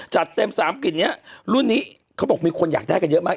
จัดเต็มสามกลิ่นนี้รุ่นนี้เขาบอกมีคนอยากได้กันเยอะมาก